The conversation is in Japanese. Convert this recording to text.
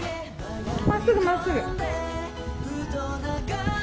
まっすぐ、まっすぐ。